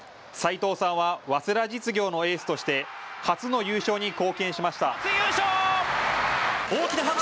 斎藤さんは早稲田実業のエースとして初の優勝に貢献しました。